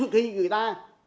khi người ta